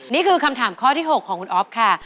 นี่คือคำถามข้อที่๖ของคุณอ๊อฟค่ะ